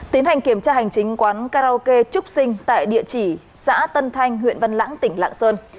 tiến hành kiểm tra hành chính quán karaoke trúc sinh tại địa chỉ xã tân thanh huyện văn lãng tỉnh lạng sơn